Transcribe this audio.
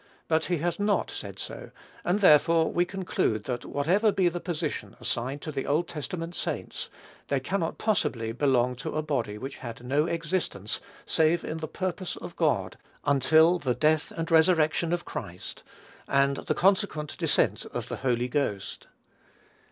But he has not said so, and therefore we conclude that, whatever be the position assigned to the Old Testament saints, they cannot possibly belong to a body which had no existence, save in the purpose of God, until the death and resurrection of Christ, and the consequent descent of the Holy Ghost.